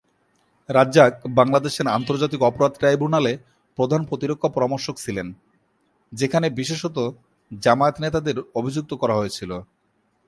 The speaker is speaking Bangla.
রাজ্জাক বাংলাদেশের আন্তর্জাতিক অপরাধ ট্রাইব্যুনালে প্রধান প্রতিরক্ষা পরামর্শক ছিলেন, যেখানে বিশেষত জামায়াত নেতাদের অভিযুক্ত করা হয়েছিল।